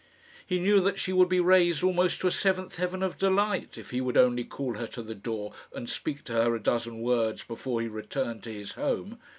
He knew that she would be raised almost to a seventh heaven of delight if he would only call her to the door and speak to her a dozen words before he returned to his home.